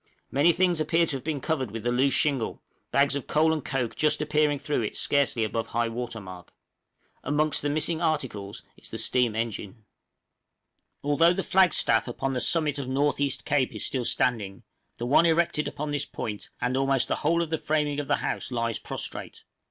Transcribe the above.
Many things appear to have been covered with the loose shingle, bags of coal and coke just appearing through it scarcely above high water mark. Amongst the missing articles is the steam engine. Although the flag staff upon the summit of North East Cape is still standing, the one erected upon this point and almost the whole of the framing of the house lies prostrate.